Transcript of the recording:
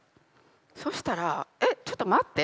そうしたらえっちょっと待って？